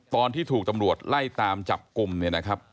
ตอนที่ถูกตำรวจไล่ตามจับกลุ่มเนี่ยนะครับ